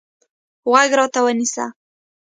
غوږ راته ونیسه.